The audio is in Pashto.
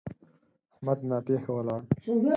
احمد ناپېښه ولاړ.